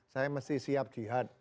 saya mesti siap jihad